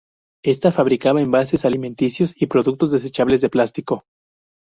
Esta fabricaba envases alimenticios y productos desechables de plástico.